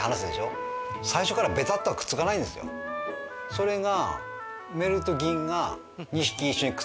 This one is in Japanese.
それが。